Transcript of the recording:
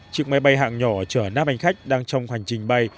chiếc máy bay hạng nhỏ chở nát bánh khách đang trong hoành trình bay